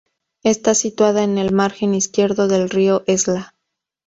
Está situada en el margen izquierdo del río Esla.